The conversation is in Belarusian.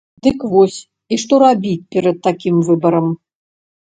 Дык вось і што рабіць перад такім выбарам?